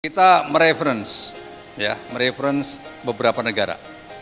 kita mereference beberapa negara